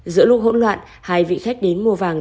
giữa lúc hỗn loạn hai vị khách đến mua vàng